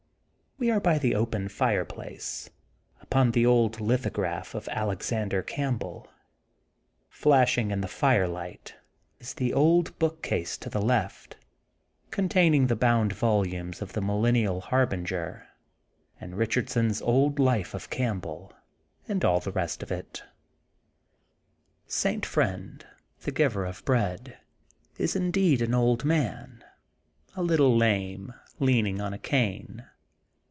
We are by the open fireplace, under the old lithograph of Alex ander Campbell. Flashing in the firelight, is the old bookcase to the left, containing the bound volumes of the Millenial Harbinger and Richardson *s old life of Campbell and all the rest of it. St. Friend, the Giver of Bread, is indeed an old man, a little lame, leaning on a cane.